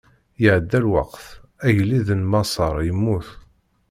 Iɛedda lweqt, agellid n Maṣer immut.